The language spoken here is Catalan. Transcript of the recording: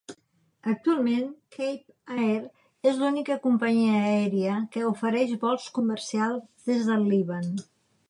Actualment, Cape Air és l'única companyia aèria que ofereix vols comercials des del Líban.